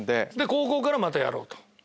高校からまたやろうと。